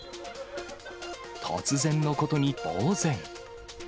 突然のことにぼう然。